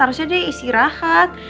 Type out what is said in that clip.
harusnya dia isi rahat